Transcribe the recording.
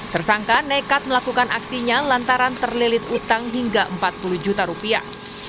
tersangka nekat melakukan aksinya lantaran terlilit utang hingga empat puluh juta rupiah